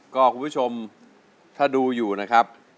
ก็คุณผู้ชมถ้าดูอยู่นะครับ